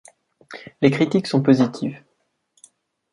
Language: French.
Les critiques sont positives.